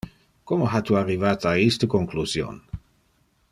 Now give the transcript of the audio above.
Como ha tu arrivate a iste conclusion?